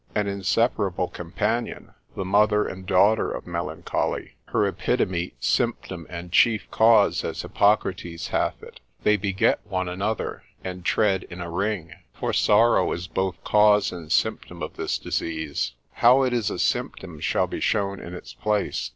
An inseparable companion, The mother and daughter of melancholy, her epitome, symptom, and chief cause: as Hippocrates hath it, they beget one another, and tread in a ring, for sorrow is both cause and symptom of this disease. How it is a symptom shall be shown in its place.